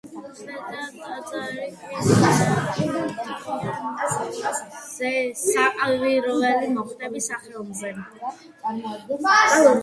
ქვედა ტაძარი კი ნაკურთხია ნიკოლოზ საკვირველთმოქმედის სახელზე.